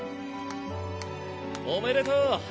おめでとう。